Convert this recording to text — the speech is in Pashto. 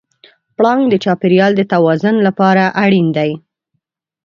پړانګ د چاپېریال د توازن لپاره اړین دی.